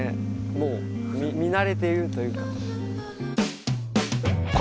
もう見慣れてるというか。